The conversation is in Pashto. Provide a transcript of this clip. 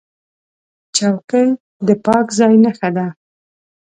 چوکۍ د پاک ځای نښه ده.